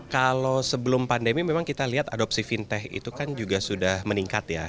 kalau sebelum pandemi memang kita lihat adopsi fintech itu kan juga sudah meningkat ya